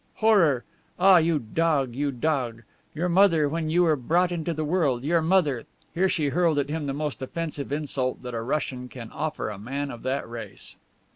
Horror! Ah, you dog, you dog! Your mother, when you were brought into the world, your mother..." Here she hurled at him the most offensive insult that a Russian can offer a man of that race.